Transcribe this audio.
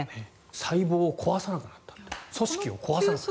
細胞を壊さなくなった組織を壊さなくなった。